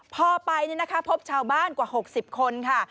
พอไปพบชาวบ้านกว่า๖๐คนค่ะ